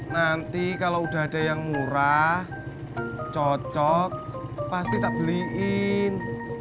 nanti kalau udah ada yang murah cocok pasti tak beliin